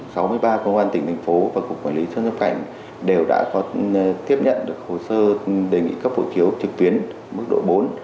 sáu mươi ba công an tỉnh thành phố và cục quản lý xuất nhập cảnh đều đã có tiếp nhận được hồ sơ đề nghị cấp hộ chiếu trực tuyến mức độ bốn